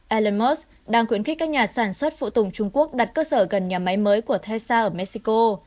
elon musk đang khuyến khích các nhà sản xuất phụ tùng trung quốc đặt cơ sở gần nhà máy mới của tessa ở mexico